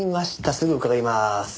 すぐ伺います。